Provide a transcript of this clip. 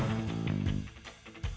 ayu butet sama lilis